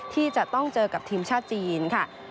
ที่จะต้องเจอกับทีมชาติจีนค่ะ